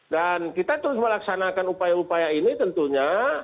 dan kita terus melaksanakan upaya upaya ini tentunya